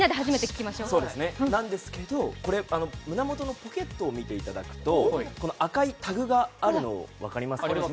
なんですけど、胸元のポケットを見ていただくと、赤いタグがあるの分かります？